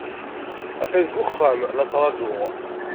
Aql-i deg uxxam, la ttrajuɣ.